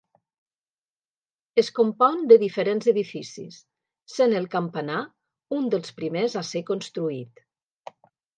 Es compon de diferents edificis, sent el campanar un dels primers a ser construït.